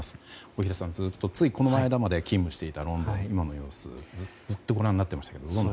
大平さん、ついこの間まで勤務していたロンドン今の様子をずっとご覧になっていましたが。